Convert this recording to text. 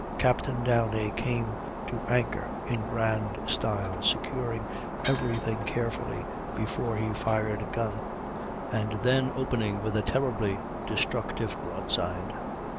Captain Downie came to anchor in grand style, securing every thing carefully before he fired a gun, and then opening with a terribly destructive broadside.